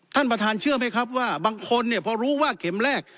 ท่านประธานเชื่อไหมครับว่าบางคนเนี่ยพอรู้ว่าเข็มแรก